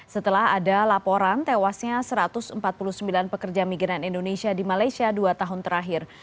setelah ada laporan tewasnya satu ratus empat puluh sembilan pekerja migran indonesia di malaysia dua tahun terakhir